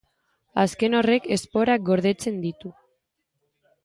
Azken horrek esporak gordetzen ditu.